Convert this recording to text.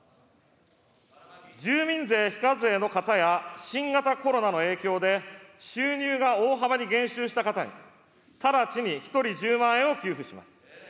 住民税非課税の方や、新型コロナの影響で収入が大幅に減収した方に、直ちに１人１０万円を給付します。